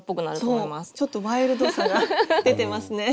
そうちょっとワイルドさが出てますね。